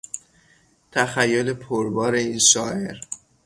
تخیل پربار این شاعر